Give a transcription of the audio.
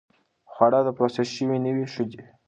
خواړه پروسس شوي نه وي، ښه دي.